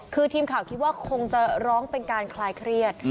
คือทีมข่าวคิดว่าคงจะร้องเป็นการคลายเครียด